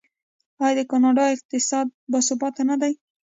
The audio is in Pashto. آیا د کاناډا اقتصاد باثباته نه دی؟